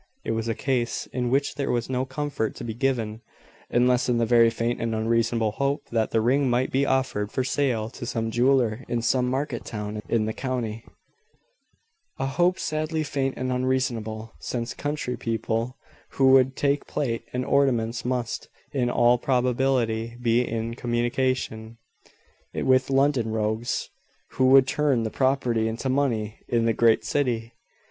It was a case in which there was no comfort to be given, unless in the very faint and unreasonable hope that the ring might be offered for sale to some jeweller in some market town in the county; a hope sadly faint and unreasonable; since country people who would take plate and ornaments must, in all probability, be in communication with London rogues, who would turn the property into money in the great city.